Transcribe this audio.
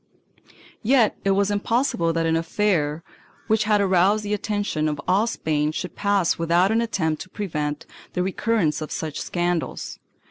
2 Yet it was impossible that an affair which had aroused the attention of all Spain should pass without an attempt to prevent the recurrence of such scandals.